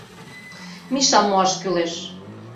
— Мишам муаш кӱлеш.